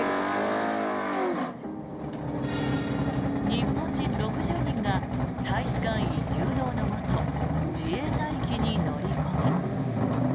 日本人６０人が大使館員誘導のもと自衛隊機に乗り込み。